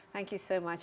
terima kasih banyak